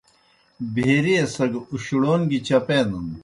بھیریئے سگہ اُشڑَون گیْ چپینَن۔